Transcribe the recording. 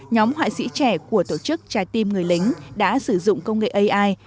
nhóm hoại sĩ trẻ của tổ chức trải tim người lính đã sử dụng công nghệ ai